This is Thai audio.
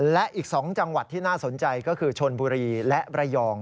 และอีก๒จังหวัดที่น่าสนใจก็คือชนบุรีและระยอง